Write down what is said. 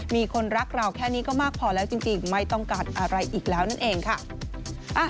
มีคนรักเราแค่นี้ก็มากพอแล้วจริงไม่ต้องการอะไรอีกแล้วนั่นเองค่ะ